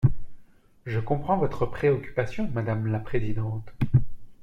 Je comprends votre préoccupation, madame la présidente.